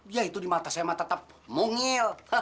ya itu di mata saya mah tetap mungil